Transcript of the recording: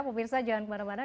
pemirsa jangan kemana mana